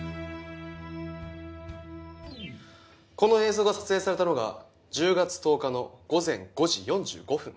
この映像が撮影されたのが１０月１０日の午前５時４５分。